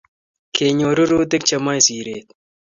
Kenyor rurutik Che emei siret